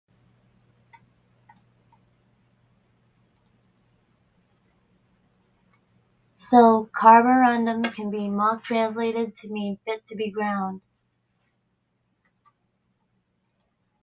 So "carborundum" can be mock-translated to mean "fit to be ground".